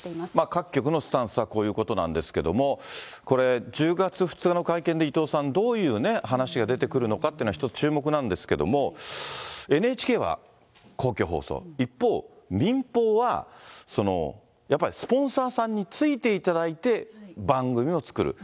各局のスタンスはこういうことなんですけれども、これ、１０月２日の会見で、伊藤さん、どういう話が出てくるのかっていうのは一つ注目なんですけども、ＮＨＫは公共放送、一方、民放はやっぱりスポンサーさんについていただいて番組を作る。